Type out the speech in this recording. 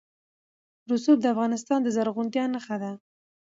رسوب د افغانستان د زرغونتیا نښه ده.